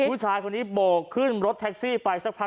ผู้ชายคนนี้โบกขึ้นรถแท็กซี่ไปสักพัก